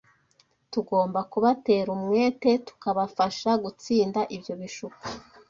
Tugomba kubatera umwete tukabafasha gutsinda ibyo bishuko